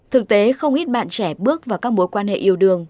thực tế không ít bạn trẻ bước vào các mối quan hệ yêu đương